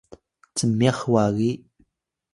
cmyax wagi